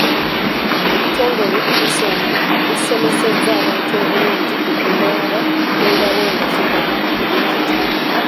Ebitongole bisomesezza abantu obulungi mu kunaaba engalo nga tuva mu kaabuyonjo